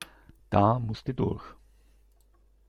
Da musste durch.